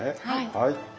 はい。